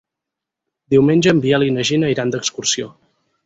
Diumenge en Biel i na Gina iran d'excursió.